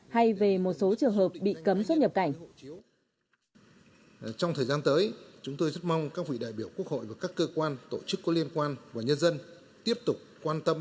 hay về một số trường hợp bị cấm xuất nhập cảnh